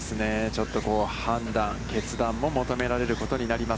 ちょっと判断、決断も求められることになります。